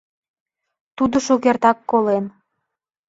— Тудо шукертак колен.